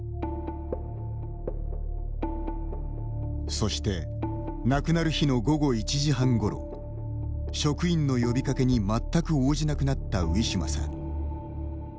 そして亡くなる日の午後１時半ごろ職員の呼びかけに全く応じなくなったウィシュマさん。